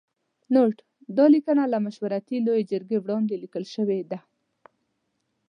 نوټ: دا لیکنه له مشورتي لویې جرګې وړاندې لیکل شوې ده.